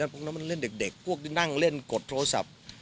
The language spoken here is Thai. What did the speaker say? พวกนั้นเล่นเด็กนั่งเล่นไว้กดโทรศัพท์